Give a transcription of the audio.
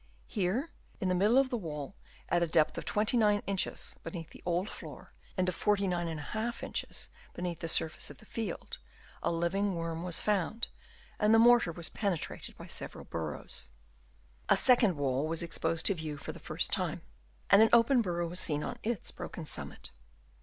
Here, in the middle of the wall, at a depth of 29 inches beneath the old floor and of 49^ inches beneath the surface of the field, a living worm was found, and the mortar was penetrated by several burrows. A second wall was exposed to view for the first time, and an open burrow was seen on its broken summit.